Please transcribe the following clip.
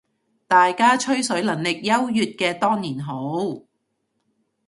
大家吹水能力優越嘅當然好